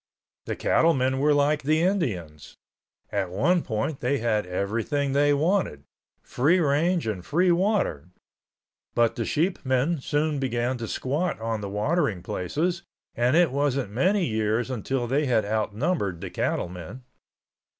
The cattlemen were like the Indians. At one time they had everything they wanted—free range and free water—but the sheepmen soon began to squat on the watering places and it wasn't many years until they had outnumbered the cattlemen.